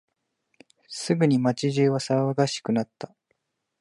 すぐに街中は騒がしくなった。